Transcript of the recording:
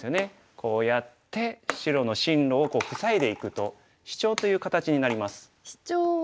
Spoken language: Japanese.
こうやって白の進路を塞いでいくとシチョウという形になります。